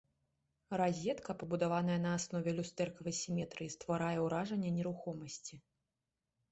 Разетка, пабудаваная на аснове люстэркавай сіметрыі, стварае ўражанне нерухомасці.